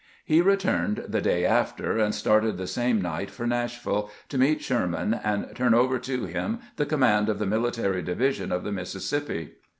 He returned the day after, and started the same night for Nashville, to meet Sherman and turn over to him the command of the Military Division of the Missis sippi.